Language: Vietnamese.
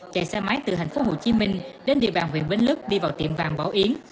chạy xe máy từ hành phố hồ chí minh đến địa bàn huyện bến lức đi vào tiệm vàng bảo yến